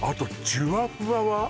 「じゅわふわ」は？